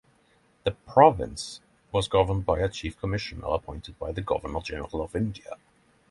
The province was governed by a chief commissioner appointed by the Governor-General of India.